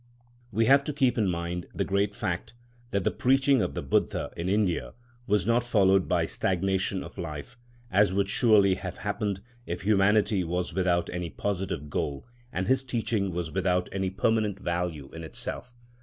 We have to keep in mind the great fact that the preaching of the Buddha in India was not followed by stagnation of life—as would surely have happened if humanity was without any positive goal and his teaching was without any permanent value in itself.